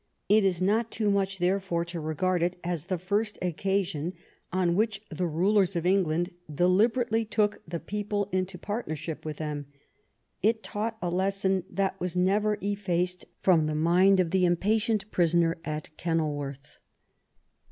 It is not too much, therefore, to regard it as the first occasion on which the rulers of England delib erately took the people into partnership with them. It taught a lesson that was never eff'aced from the mind of the impatient prisoner at Kenilworth.